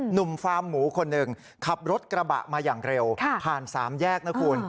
ฟาร์มหมูคนหนึ่งขับรถกระบะมาอย่างเร็วผ่าน๓แยกนะคุณ